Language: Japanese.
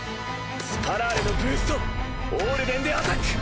スパラーレのブーストオールデンでアタック！